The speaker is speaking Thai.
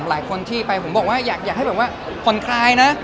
หลายคนที่ไปผมบอกว่าอยากให้แบบว่าผ่อนคลายนะ